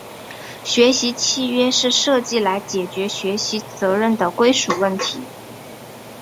学习契约是设计来解决学习责任的归属问题。